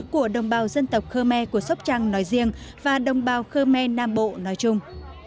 của đồng bào dân tộc khmer của sóc trăng nói riêng và đồng bào khmer nam bộ nói chung